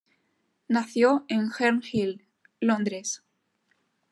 Nació en Herne Hill, Londres.